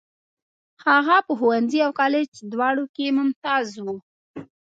هغه په ښوونځي او کالج دواړو کې ممتاز و.